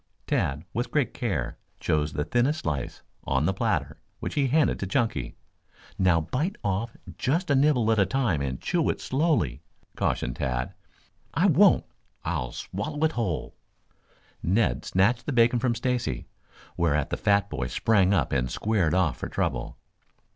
Tad, with great care, chose the thinnest slice on the platter, which he handed to Chunky. "Now bite off just a nibble at a time and chew it slowly," cautioned Tad. "I won't. I'll swallow it whole." Ned snatched the bacon from Stacy, whereat the fat boy sprang up and squared off for trouble.